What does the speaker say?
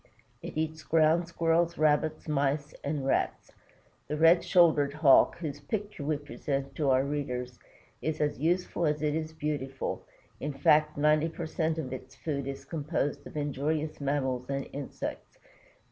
It eats Ground Squirrels, Rabbits, Mice, and Rats. The Red shouldered Hawk, whose picture we present to our readers, is as useful as it is beautiful, in fact ninety per cent of its food is composed of injurious mammals and insects.